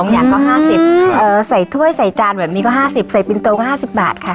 อย่างก็ห้าสิบเออใส่ถ้วยใส่จานแบบมีก็ห้าสิบใส่ปรินโตงห้าสิบบาทค่ะ